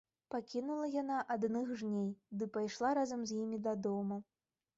Пакінула яна адных жней ды пайшла разам з імі дадому.